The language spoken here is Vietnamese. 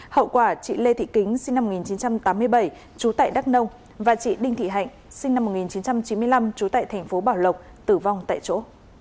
hậu quả chị lê thị kính sinh năm một nghìn chín trăm tám mươi bảy trú tại đắk nông và chị đinh thị hạnh sinh năm một nghìn chín trăm chín mươi năm trú tại thành phố bảo lộc tử vong tại chỗ